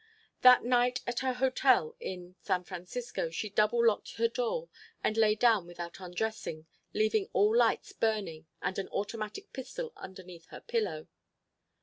That night, at her hotel in San Francisco, she double locked her door and lay down without undressing, leaving all lights burning and an automatic pistol underneath her pillow.